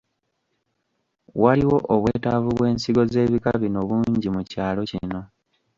Waliwo obwetaavu bw’ensigo z’ebika bino bungi mu kyalo kino.